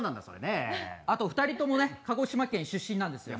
あと２人ともね鹿児島県出身なんですよね。